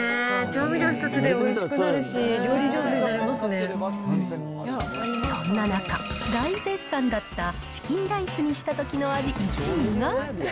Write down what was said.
調味料一つでおいしくなるし、そんな中、大絶賛だったチキンライスにしたときの味１位が。